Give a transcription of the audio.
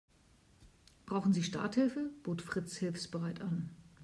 Brauchen Sie Starthilfe?, bot Fritz hilfsbereit an.